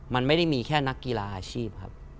มันไม่ได้มีแค่นักกีฬาอาชีพครับ